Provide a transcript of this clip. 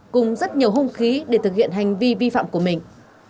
cùng rất nhiều hung khí để thực hiện hành vi vi phạm của mình